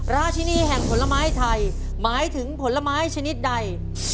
ราชินีแห่งผลไม้ไทยหมายถึงผลไม้ชนิดใด